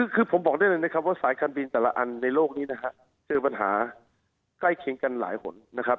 คือผมบอกได้เลยนะครับว่าสายการบินแต่ละอันในโลกนี้นะฮะเจอปัญหาใกล้เคียงกันหลายหนนะครับ